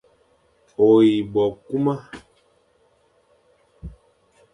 O yi bo kuma,